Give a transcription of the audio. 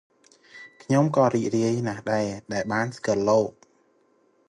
ខ្ញុំក៏រីករាយណាស់ដែរ ដែលបានស្គាល់លោក ។